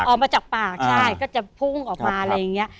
ออกมาจากปากใช่ก็จะพุ่งออกมาอะไรอย่างนี้